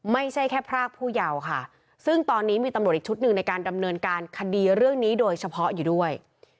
ไม่ใช่แค่พรากผู้เยาว์ค่ะซึ่งตอนนี้มีตำรวจอีกชุดหนึ่งในการดำเนินการคดีเรื่องนี้โดยเฉพาะอยู่ด้วย